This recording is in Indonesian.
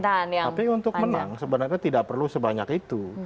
tapi untuk menang sebenarnya tidak perlu sebanyak itu